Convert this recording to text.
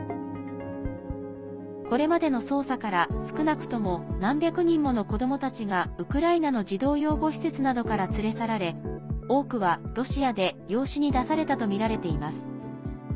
これまでの捜査から、少なくとも何百人もの子どもたちがウクライナの児童養護施設などから連れ去られ多くはロシアで養子に出されたとみられています。